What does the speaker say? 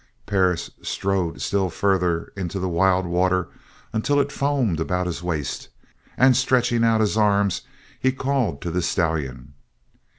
Perris strode still further into the wild water until it foamed about his waist, and stretching out his arms he called to the stallion.